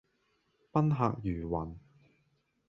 賓客如雲